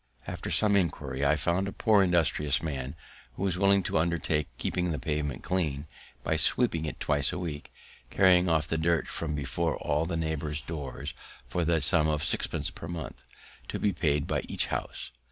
After some inquiry, I found a poor, industrious man, who was willing to undertake keeping the pavement clean, by sweeping it twice a week, carrying off the dirt from before all the neighbours' doors, for the sum of sixpence per month, to be paid by each house.